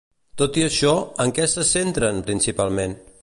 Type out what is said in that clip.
Tot i això, en què se centren principalment?